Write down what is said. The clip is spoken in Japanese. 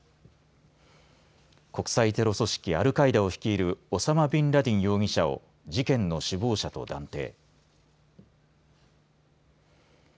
国際テロ組織アルカイダを率いるオサマ・ビンラディン容疑者を事件の首謀者と断定。